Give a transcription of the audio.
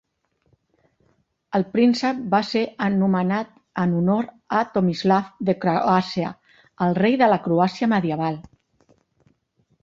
El príncep va ser nomenat en honor a Tomislav de Croàcia, el rei de la Croàcia medieval.